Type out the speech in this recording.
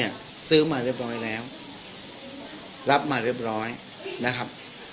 ซื้อมาเรียบร้อยแล้วรับมาเรียบร้อยนะครับ